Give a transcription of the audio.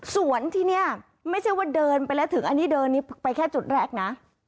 สวนที่นี่ไม่ใช่ว่าเดินไปแล้วถึงอันนี้เดินนี้ไปแค่จุดแรกนะ